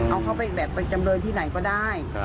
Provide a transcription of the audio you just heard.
เอาเขาไปแบบไปจำเรินที่ไหนก็ได้